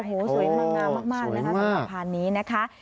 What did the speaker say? โอ้โหสวยงามมากนะคะสำหรับพานนี้นะคะ